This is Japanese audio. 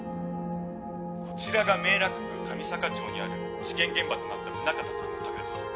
「こちらが明楽区神坂町にある事件現場となった宗像さんのお宅です」